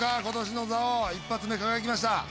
今年の座王一発目輝きました。